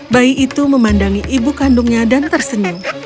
bayi itu memandangi ibu kandungnya dan tersenyum